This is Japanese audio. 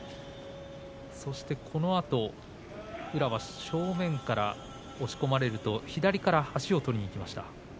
そのあと宇良は正面から押し込まれると左から足を取りにいきました。